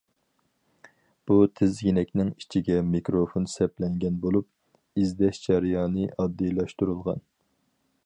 بۇ تىزگىنەكنىڭ ئىچىگە مىكروفون سەپلەنگەن بولۇپ، ئىزدەش جەريانى ئاددىيلاشتۇرۇلغان.